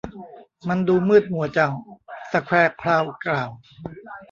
มันดูมืดมัวจัง สแคร์คราวกล่าว